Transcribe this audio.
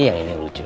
iya ini yang lucu